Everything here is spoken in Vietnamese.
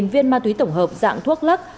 một viên ma túy tổng hợp dạng thuốc lắc